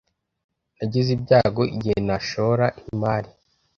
Nagize ibyago igihe nashora imari.